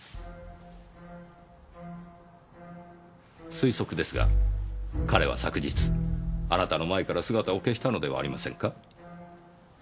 推測ですが彼は昨日あなたの前から姿を消したのではありませんか？